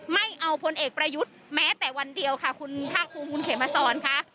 ไม่เอาพลเอกประยุทธ์แม้แต่วันเดียวค่ะคุณภาคภูมิคุณเขมมาสอนค่ะ